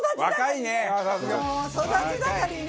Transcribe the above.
もう育ち盛りね。